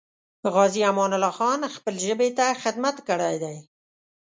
غازي امان الله خان خپلې ژبې ته خدمت کړی دی.